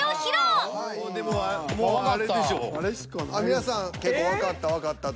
皆さん結構わかったわかったと。